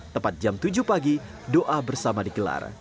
tepat jam tujuh pagi doa bersama dikelar